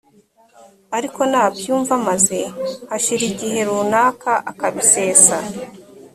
ariko nabyumva maze hashira igihe runaka akabisesa